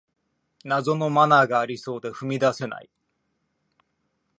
謎のマナーがありそうで踏み出せない